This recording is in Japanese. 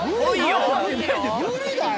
無理だよ